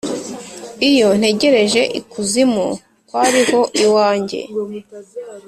iyo ntegereje ikuzimu ko ari ho iwanjye,